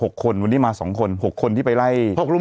๖คนต้องได้มาสองคน๖คนได้ไปได้